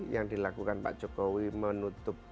yang dilakukan pak jokowi menutup